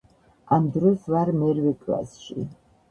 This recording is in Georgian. ამ დროს ვარ მერვე კლასში